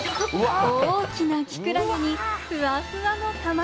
大きなきくらげに、ふわふわの卵。